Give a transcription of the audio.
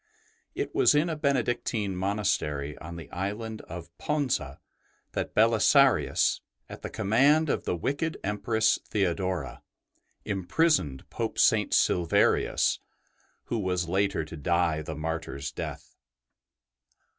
It was in a Bene dictine monastery on the island of Ponza that Belisarius, at the command of the wicked Empress Theodora, imprisoned Pope St. Silverius, who was later to die the martyr's death.